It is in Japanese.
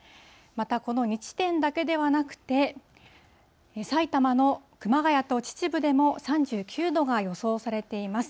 またこの２地点だけではなくて、埼玉の熊谷と秩父でも３９度が予想されています。